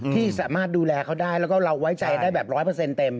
ที่สามารถดูแลเขาได้แล้วก็เราไว้ใจได้แบบร้อยเปอร์เซ็นต์เต็ม